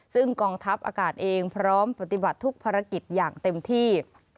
ซึ่งกองทัพอากาศเองพร้อมปฏิบัติทุกภารกิจอย่างเต็มที่